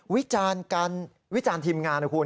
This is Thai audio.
วิจารณ์การวิจารณ์ทีมงานนะคุณ